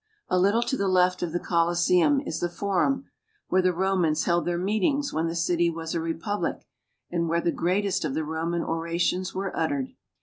A little to the left of the Coliseum is the Forum, where the Romans held their meetings when the city was a republic, and where the greatest of the Roman orations were uttered.